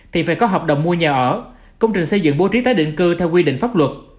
thì phải có hợp đồng mua nhà ở công trình xây dựng bố trí tái định cư theo quy định pháp luật